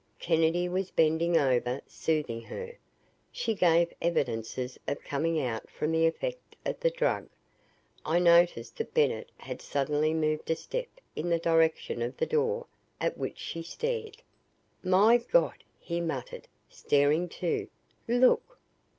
Kennedy was bending over, soothing her. She gave evidences of coming out from the effect of the drug. I noticed that Bennett had suddenly moved a step in the direction of the door at which she stared. "My God!" he muttered, staring, too. "Look!"